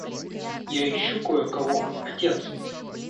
Я ищу кое-кого, отец.